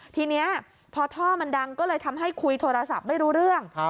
ทีนี้พอท่อมันดังก็เลยทำให้คุยโทรศัพท์ไม่รู้เรื่อง